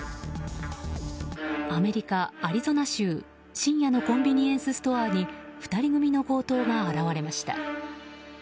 アメリカ・アリゾナ州深夜のコンビニエンスストアに２人組の強盗が現れました。